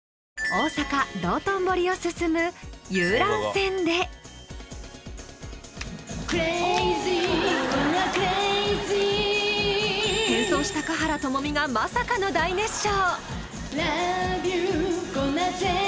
大阪・道頓堀を進む遊覧船で変装した華原朋美がまさかの大熱唱！